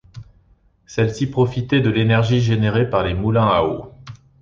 Celles-ci profitaient de l’énergie générée par les moulins à eau.